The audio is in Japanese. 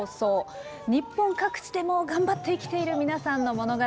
日本各地でも頑張って生きている皆さんの物語。